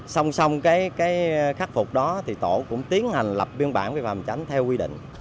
song song cái khắc phục đó thì tổ cũng tiến hành lập biên bản vi phạm tránh theo quy định